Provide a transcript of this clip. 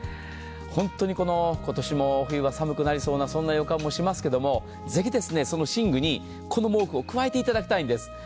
本当に今年も冬は寒くなりそうな予感がしますけれども、ぜひその寝具に、この毛布を加えていただきたいんです。